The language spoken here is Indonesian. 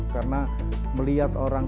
karena melihat orang